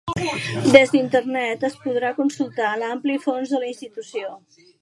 Des d'internet es podrà consultar l'ampli fons de la institució.